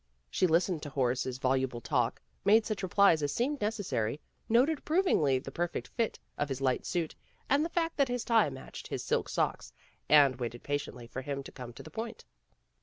She listened to Horace's voluble talk, made such replies as seemed necessary, noted ap provingly the perfect fit of his light suit, and the fact that his tie matched his silk socks, and waited patiently for him to come to the point.